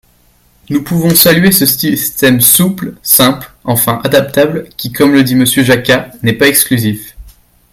Nous pouvons saluer ce système souple, simple enfin, adaptable, qui, comme le dit Monsieur Jacquat, n’est pas exclusif.